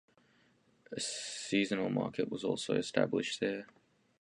A seasonal market was also established there.